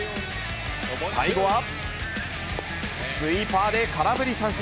最後はスイーパーで空振り三振。